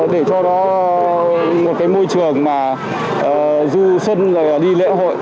để cho nó một cái môi trường mà du xuân đi lễ hội